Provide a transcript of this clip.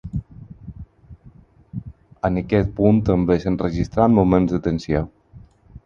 En aquest punt també s’han registrat moments de tensió.